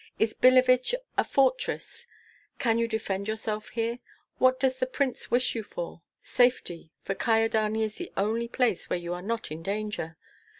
Is Billeviche a fortress? Can you defend yourself here? What does the prince wish for you? Safety; for Kyedani is the only place where you are not in danger.